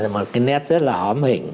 một cái nét rất là hóm hỉnh